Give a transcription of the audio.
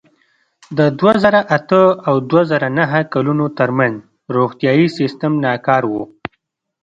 د دوه زره اته او دوه زره نهه کلونو ترمنځ روغتیايي سیستم ناکار و.